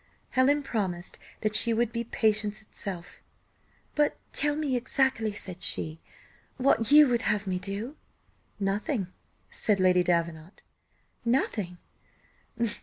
Helen promised that she would be patience itself: "But tell me exactly," said she, "what you would have me do." "Nothing," said Lady Davenant. "Nothing!